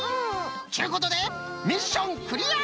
ちゅうことでミッションクリア！